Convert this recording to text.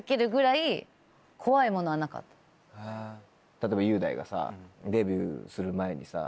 例えば雄大がさデビューする前にさ